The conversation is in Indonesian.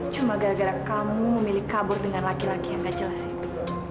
cuma gara gara kamu memilih kabur dengan laki laki yang gak jelas itu